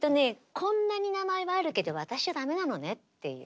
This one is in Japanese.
こんなに名前はあるけど私じゃ駄目なのねっていう。